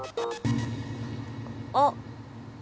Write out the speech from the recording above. あっ！